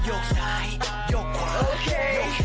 โอเค